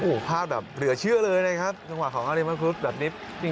โอ้โหภาพแบบเหลือเชื่อเลยนะครับสังหวะของอาวุธธรรมดีแบบนี้